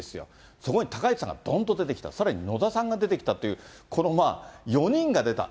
そこに高市さんがどんと出てきた、さらに野田さんが出てきたという、この４人が出た。